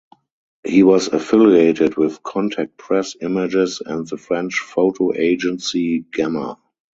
He was affiliated with Contact Press Images and the French photo agency Gamma.